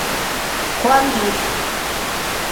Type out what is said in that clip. Juan Diz.